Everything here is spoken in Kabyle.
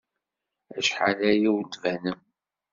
Acḥal aya ur d-tbanem.